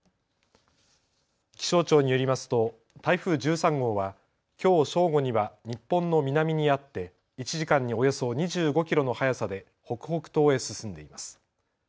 気象庁によりますと台風１３号はきょう正午には日本の南にあって１時間におよそ２５キロの速さで北北東へ進んでいます。